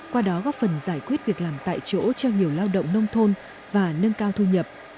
qua đó góp phần giải quyết việc làm tại chỗ cho nhiều lao động nông thôn và nâng cao thu nhập